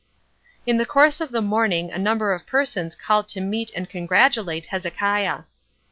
In the course of the morning a number of persons called to meet and congratulate Hezekiah.